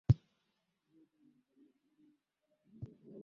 mwake kazi za Chameleon zimekuwa zikitesa nje ya mipaka ya nchi hiyo Jose Mayanja